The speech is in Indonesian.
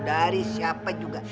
dari siapa juga